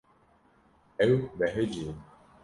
Ew behecî ye.